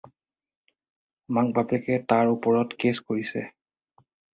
মাক-বাপেকে তাৰ ওপৰত কেছ কৰিছে।